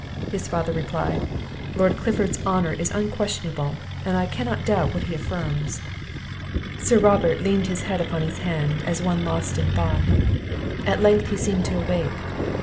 His father replied, "Lord Clifford's honour is unquestionable, and I cannot doubt what he affirms." Sir Robert leaned his head upon his hand, as one lost in thought; at length he seemed to awake.